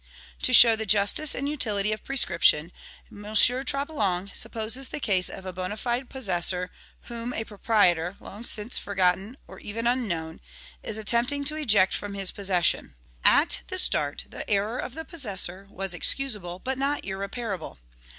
To show the justice and utility of prescription, M. Troplong supposes the case of a bona fide possessor whom a proprietor, long since forgotten or even unknown, is attempting to eject from his possession. "At the start, the error of the possessor was excusable but not irreparable.